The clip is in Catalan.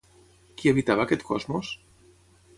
Qui habitava aquest cosmos?